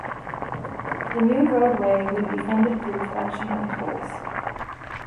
The new roadway would be funded through collection of tolls.